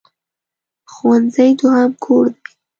ښوونځی دوهم کور دی.